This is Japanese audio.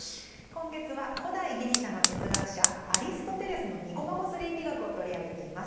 今月は古代ギリシャの哲学者アリストテレスの「ニコマコス倫理学」を取り上げています。